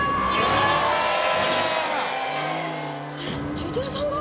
ジュニアさんが？